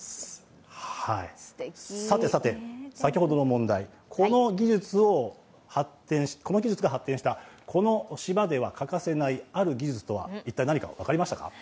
さてさて、先ほどの問題、この技術が発展した、この島では欠かせない欠かせないある技術とは一体何か分かりましたか？